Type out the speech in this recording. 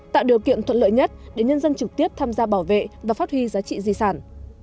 tạo điều kiện thuận lợi nhất để nhân dân trực tiếp tham gia bảo vệ và phát huy giá trị di sản